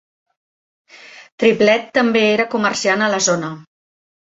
Triplett també era comerciant a la zona.